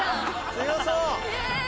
強そう！